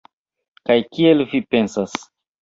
Kaj kiel vi pensas?